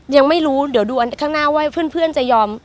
ยังไม่รู้เดี๋ยวดูอันข้างหน้าว่าเพื่อนจะยอม